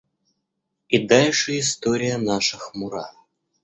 И дальше история наша хмура.